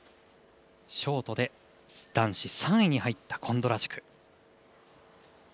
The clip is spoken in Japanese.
ショートで男子３位に入ったコンドラチュク。